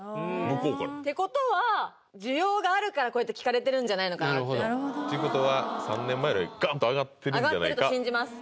向こうからってことは需要があるからこうやって聞かれてるんじゃないのかなってっていうことは３年前よりガンと上がってるんじゃないか上がってると信じます